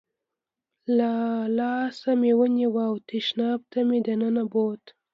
له لاسه مې ونیو او تشناب ته مې دننه بوت.